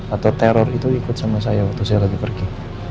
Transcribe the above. atau teror itu ikut sama saya waktu saya lagi pergi